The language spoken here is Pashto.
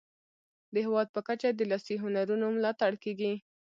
د هیواد په کچه د لاسي هنرونو ملاتړ کیږي.